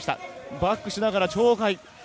バックしながら鳥海。